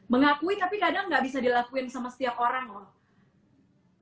mengakui tapi kadang gak bisa dilakuin sama setiap orang loh